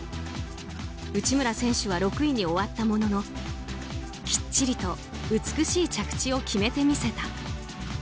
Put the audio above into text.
内村選手は６位に終わったもののきっちりと美しい着地を決めて見せた。